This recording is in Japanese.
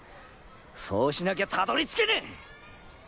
そうしなきゃたどり着けねぇ！